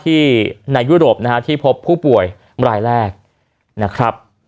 ที่ในเยอรูปนะคะที่พบคู่ป่วยเมื่อไหร่แรกแหละครับ